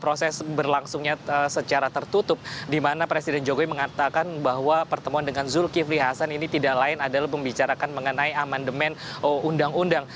proses berlangsungnya secara tertutup di mana presiden jokowi mengatakan bahwa pertemuan dengan zulkifli hasan ini tidak lain adalah membicarakan mengenai amandemen undang undang